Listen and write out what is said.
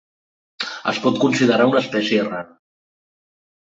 Es pot considerar una espècie rara.